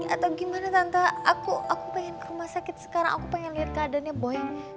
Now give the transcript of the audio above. atau gimana tanta aku pengen ke rumah sakit sekarang aku pengen lihat keadaannya boy